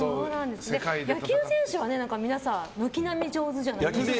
野球選手は皆さん軒並み上手じゃないですか。